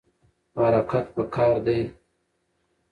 خو حرکت پکار دی.